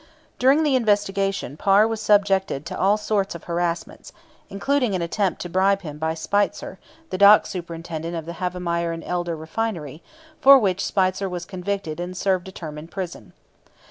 During the investigation Parr was subjected to all sorts of harassments, including an attempt to bribe him by Spitzer, the dock superintendent of the Havemeyer & Elder Refinery, for which Spitzer was convicted and served a term in prison.